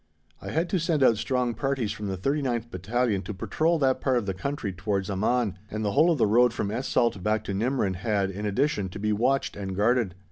I had to send out strong parties from the 39th Battalion to patrol that part of the country towards Amman, and the whole of the road from Es Salt back to Nimrin had, in addition, to be watched and guarded.